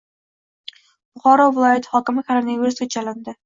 Buxoro viloyati hokimi koronavirusga chalindi